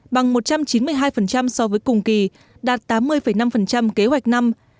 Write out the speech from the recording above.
bằng một trăm chín mươi hai so với cùng kỳ đạt tám mươi năm kế hoạch năm